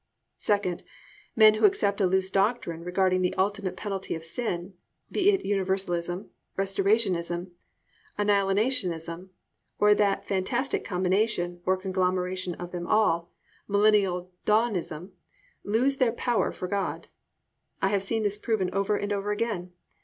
Second, men who accept a loose doctrine regarding the ultimate penalty of sin, be it Universalism, Restorationism, or Annihilationism, or that fantastic combination, or conglomeration, of them all, Millennial Dawnism, lose their power for God. I have seen this proven over and over again.